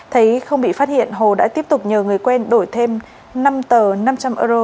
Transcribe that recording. thấy không bị phát hiện hồ đã tiếp tục nhờ người quen đổi thêm năm tờ năm trăm linh euro